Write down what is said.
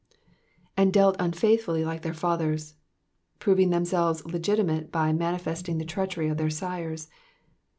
'''And dealt unfaithfully like their fathers,^'' proving themselves legitimate by manifesting the treachery of their sires.